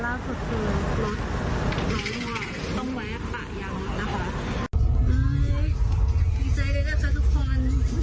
ล่าสุดคือรถร้อยหน่อยต้องแวะปะยังนะคะ